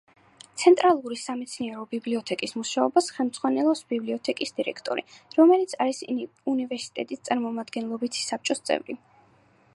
ცენტრალური სამეცნიერო ბიბლიოთეკის მუშაობას ხელმძღვანელობს ბიბლიოთეკის დირექტორი, რომელიც არის უნივერსიტეტის წარმომადგენლობითი საბჭოს წევრი.